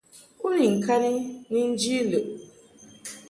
U ni ŋkani ni nji lɨʼ.